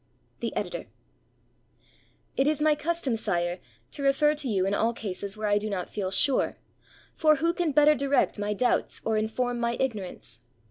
The Editor] It is my custom, Sire, to refer to you in all cases where I do not feel sure, for who can better direct my doubts or inform my ignorance?